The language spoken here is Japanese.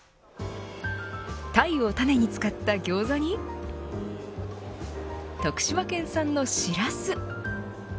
タイをたねに使ったギョーザに徳島県産のシラス。